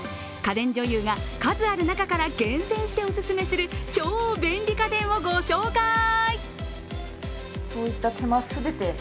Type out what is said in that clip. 家電女優が数ある中から厳選してお勧めする超便利家電を御紹介！